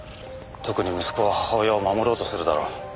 特に息子は母親を守ろうとするだろ。